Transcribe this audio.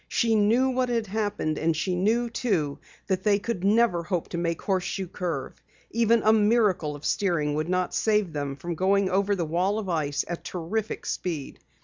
She knew what had happened, and she knew, too, that they never could hope to make the Horseshoe Curve. Even a miracle of steering would not save them from going over the wall of ice at terrific speed.